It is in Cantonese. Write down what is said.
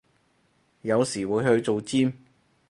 有時會去做尖